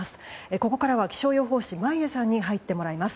ここからは気象予報士の眞家さんに入ってもらいます。